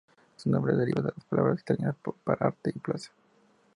Su nombre deriva de las palabras italianas para "arte" y "plaza".